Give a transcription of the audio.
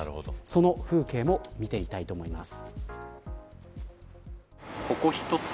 その風景も見てみたいと思います。